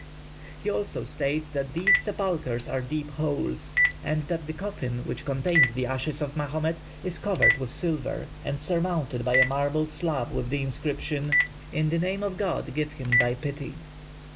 He also states that these sepulchres are deep holes, and that the coffin which contains the ashes of Mahomet is covered with silver, and surmounted by a marble slab with the inscription, "In the name of God, give him thy pity."